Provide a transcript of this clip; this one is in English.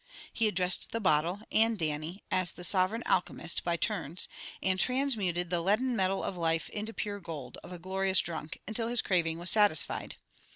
He addressed the bottle, and Dannie, as the Sovereign Alchemist by turns, and "transmuted the leaden metal of life into pure gold" of a glorious drunk, until his craving was satisfied.